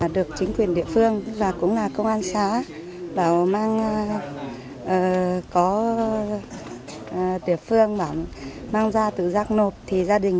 được chính quyền địa phương và cũng là công an xã bảo mang có địa phương bảo mang ra tự giác nộp thì gia đình